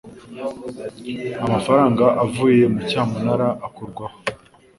amafaranga avuye mu cyamunara akurwaho